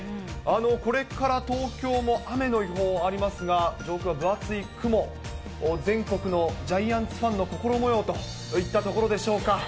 これから東京も雨の予報ありますが、上空は分厚い雲、全国のジャイアンツファンの心もようといったところでしょうか。